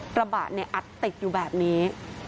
กระบะอัดติดอยู่แบบนี้